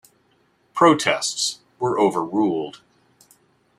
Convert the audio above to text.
Protests were overruled.